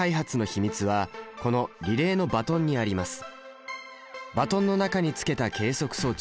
バトンの中につけた計測装置。